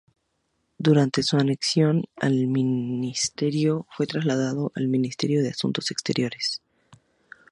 Durante su anexión al ministerio fue trasladado al Ministerio de Asuntos Exteriores.